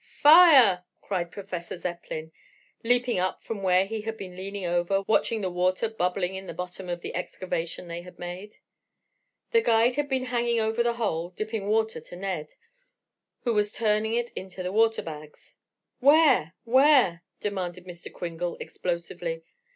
Fire!" cried Professor Zepplin, leaping up from where he had been leaning over, watching the water bubbling in the bottom of the excavation they had made. The guide had been hanging over the hole, dipping water to Ned, who was turning it into the water bags. "Where, where?" demanded Mr. Kringle explosively.